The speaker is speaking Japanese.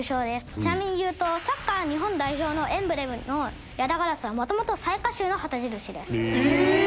ちなみに言うとサッカー日本代表のエンブレムの八咫烏はもともと雑賀衆の旗印です。